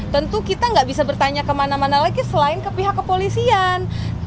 tentu kita nggak bisa bertanya kemana mana lagi selain ke pihak kepolisian